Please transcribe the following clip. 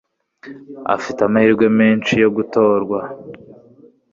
Afite amahirwe menshi yo gutorwa. (FeuDRenais)